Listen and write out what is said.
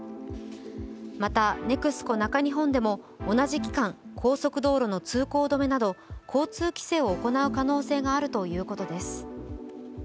また、ＮＥＸＣＯ中日本でも同じ期間、高速道路の通行止めなど交通規制を行う可能性があるということです。